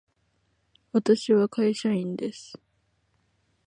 私は会社員です。